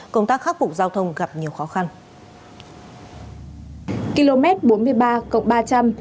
công tác khắc phục giao thông gặp nhiều khó khăn